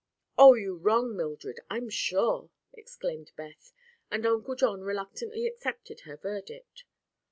"Oh, you wrong Mildred, I'm sure!" exclaimed Beth, and Uncle John reluctantly accepted her verdict.